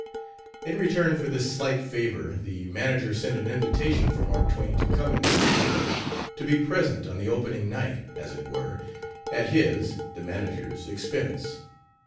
In return for this slight favor the manager sent an invitation for Mark Twain to come and see the play to be present on the opening night, as it were, at his (the manager's) expense.